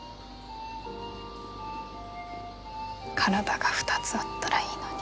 体が２つあったらいいのに。